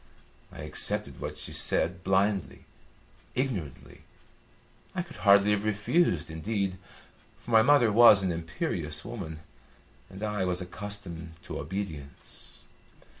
I accepted what she said blindly, ignorantly. I could hardly have refused, indeed, for my mother was an imperious woman, and I was accustomed to obedience.